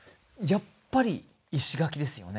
やっぱり石垣ですよね？